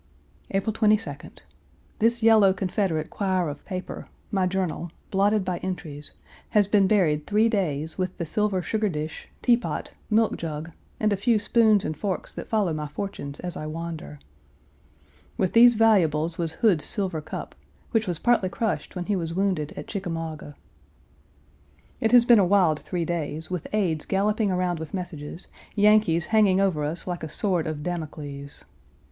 April 22d. This yellow Confederate quire of paper, my journal, blotted by entries, has been buried three days with the silver sugar dish, teapot, milk jug, and a few spoons and forks that follow my fortunes as I wander. With these valuables was Hood's silver cup, which was partly crushed when he was wounded at Chickamauga. It has been a wild three days, with aides galloping around with messages, Yankees hanging over us like a sword of Damocles.